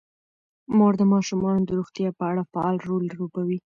مور د ماشومانو د روغتیا په اړه فعال رول لوبوي.